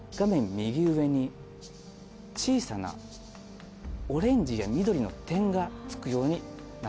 右上に小さなオレンジや緑の点がつくようになったんです。